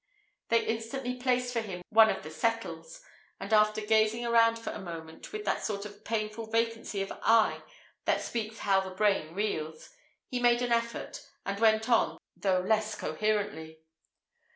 They instantly placed for him one of the settles; and after gazing around for a moment with that sort of painful vacancy of eye that speaks how the brain reels, he made an effort, and went on, though less coherently.